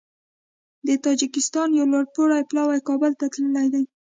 د تاجکستان یو لوړپوړی پلاوی کابل ته تللی دی